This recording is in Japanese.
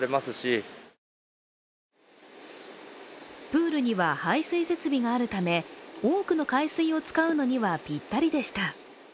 プールには排水設備があるため、多くの海水を使うのにはピッタリでした。